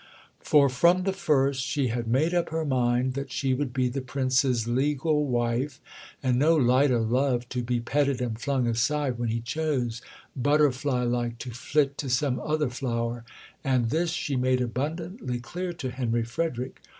For from the first she had made up her mind that she would be the Prince's legal wife, and no light o' love to be petted and flung aside when he chose, butterfly like, to flit to some other flower; and this she made abundantly clear to Henry Frederick.